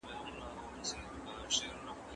که تعلیمي منابع برابر وي، زده کړه محدوده نه پاته کېږي.